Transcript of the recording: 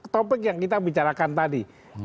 topik yang kita bicarakan tadi